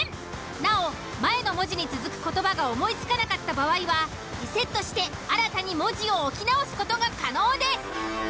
なお前の文字に続く言葉が思いつかなかった場合はリセットして新たに文字を置き直す事が可能です。